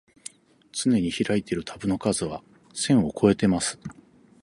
つねに開いているタブの数は千をこえてます